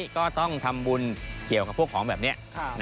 ก็ต้องทำบุญเกี่ยวกับพวกของแบบนี้